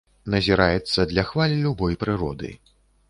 Назіраецца для хваль любой прыроды.